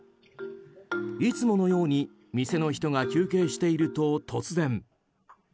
いつものように店の人が休憩していると突然。